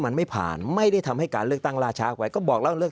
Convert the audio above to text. มันไม่ผ่านไม่ได้ทำให้การเลือกตั้งล่าช้ากว่าก็บอกเล่าเลิก